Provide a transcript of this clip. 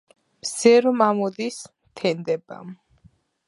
მზე რომ ამოდის თენდება!